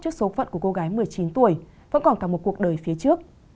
trước số phận của cô gái một mươi chín tuổi vẫn còn cả một cuộc đời phía trước